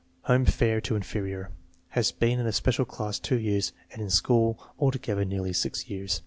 Home fair to inferior* Has been in a special class two years and in school altogether nearly six years.